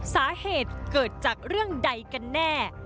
สาเหตุเกิดจากเรื่องใดกันแน่